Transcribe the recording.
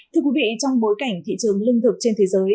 thưa quý vị trong bối cảnh thị trường lương thực trên thế giới